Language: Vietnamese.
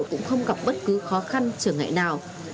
cũng không gặp bất cứ khó khăn trở ngại nào